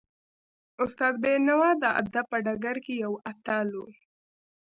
استاد بینوا د ادب په ډګر کې یو اتل و.